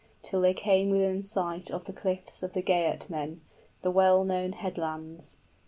} Till they came within sight of the cliffs of the Geatmen, The well known headlands.